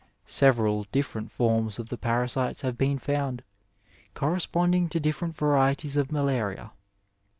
Several different forms of the parasites have been found, corresponding to different varieties of malaria.